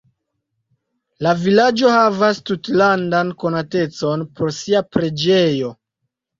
La vilaĝo havas tutlandan konatecon pro sia preĝejo.